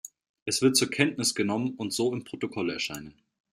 Es wird zur Kenntnis genommen und so im Protokoll erscheinen.